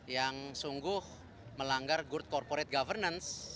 yang sungguh melanggar good corporate governance